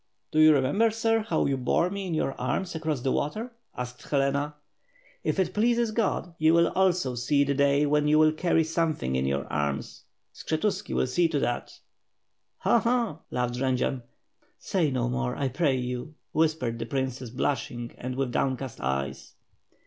"Do you remember, Sir, how you bore me in your arms across the water?" asked Helena. "If it please God, you will also see the day when you will carry something in your arms — Skshetuski will see to that." "Ho, ho!" laughed Jendzian. "Say no more I pray you,'' whispered the princess, blush ing and with downcast eyes.